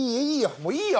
もういいよ！